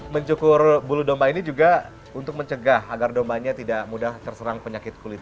mencukur bulu domba ini juga untuk mencegah agar dombanya tidak mudah terserang penyakit kulit